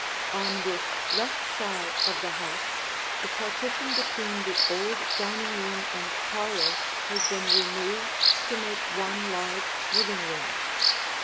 On this left side of the house the partition between the old dining room and parlor has been removed to make one large living room.